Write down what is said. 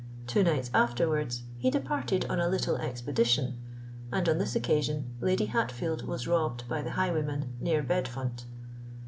Two nights afterwards he departed on a little expedition; and on this occasion Lady Hatfield was robbed by the highwayman near Bedfont.